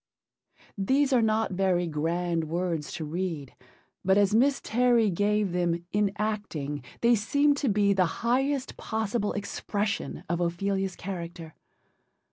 These are not very grand words to read, but as Miss Terry gave them in acting they seemed to be the highest possible expression of Ophelia's character.